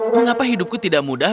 mengapa hidupku tidak mudah